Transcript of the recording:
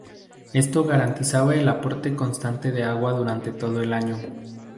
Esto garantizaba el aporte constante de agua durante todo el año.